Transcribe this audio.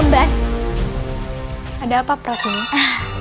mbak ada apa prasaya